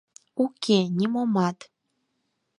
— Уке, нимомат.